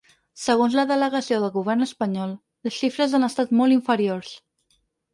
Segons la delegació del govern espanyol, les xifres han estat molt inferiors.